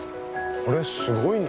これすごいね。